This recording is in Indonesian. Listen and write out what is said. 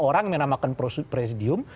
lima orang menamakan presidium